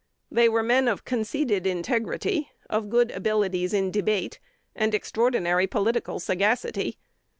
They were men of conceded integrity, of good abilities in debate, and extraordinary political sagacity.